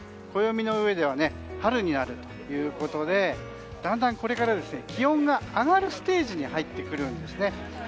暦の上では春になるということでだんだん、これから気温が上がるステージに入ってくるんですね。